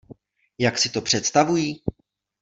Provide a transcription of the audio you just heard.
Jak si to představuji?